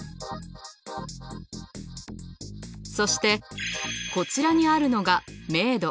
そしてこちらにあるのが明度。